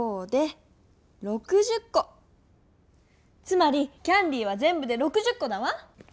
つまりキャンディーはぜんぶで６０コだわ！